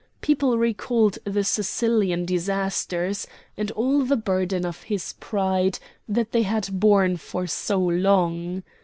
People recalled the Sicilian disasters, and all the burden of his pride that they had borne for so long!